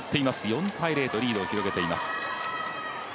４−０とリードを広げています。